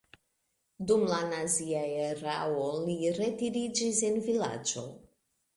Dum la nazia erao li retiriĝis en vilaĝo.